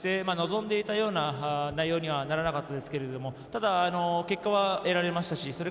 望んでいたような内容にはならなかったですけれど、ただ結果は得られました。